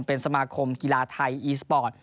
เป็นสมาคมกีฬาไทยอีสปอร์ต